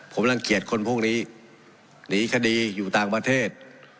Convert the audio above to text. ผมรังเกียจคนพวกนี้หนีคดีอยู่ต่างประเทศ